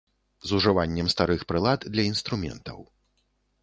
З ужываннем старых прылад для інструментаў.